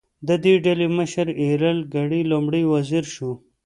د دې ډلې مشر ایرل ګرې لومړی وزیر شو.